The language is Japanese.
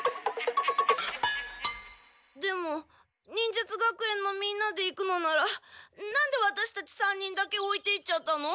でも忍術学園のみんなで行くのならなんでワタシたち３人だけ置いていっちゃったの？